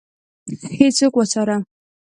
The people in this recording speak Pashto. هیڅوک وڅاره.